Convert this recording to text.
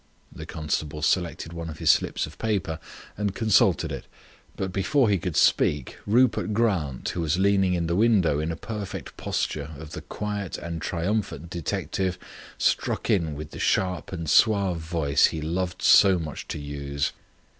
The constable selected one of his slips of paper and consulted it, but before he could speak Rupert Grant, who was leaning in the window in a perfect posture of the quiet and triumphant detective, struck in with the sharp and suave voice he loved so much to use.